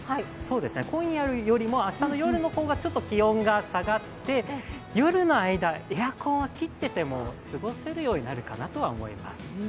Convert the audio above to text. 今夜よりも明日の夜の方がちょっと気温が差が下がって夜の間、エアコンは切っていても過ごせるようになるかなと思います。